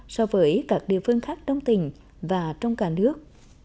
so với các địa phương khác trong tỉnh và trong cả nước